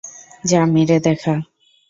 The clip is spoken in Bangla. যা মেরে দেখা!